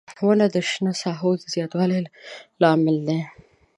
• ونه د شنو ساحو زیاتوالي لامل دی.